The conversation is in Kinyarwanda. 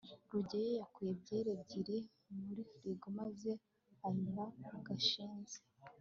rugeyo yakuye byeri ebyiri muri firigo maze ayiha gashinzi